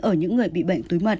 ở những người bị bệnh túi mật